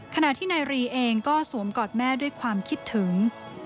ขณะที่นายรีเองก็สวมกอดแม่ด้วยความคิดถึง